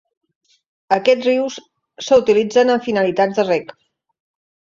Aquests rius s'utilitzen amb finalitats de reg.